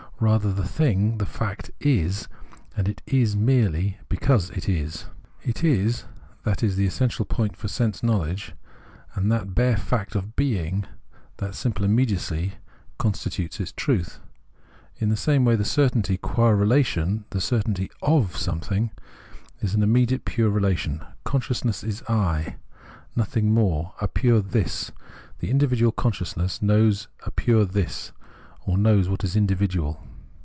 Rather, the thing, the fact, is ; and it is merely because it is. It is — that is the essential point for sense knowledge, and that bare fact of heing, that simple immediacy, constitutes its truth. In the same way the certainty qua relation, the certainty " of " some thing, is an immediate pure relation ; consciousness is I — nothing more, a pure this ; the individual consciousnes knows a pure this, or knows what is individual.